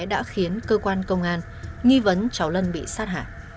đã khiến cơ quan công an nghi vấn cháu lân bị sát hại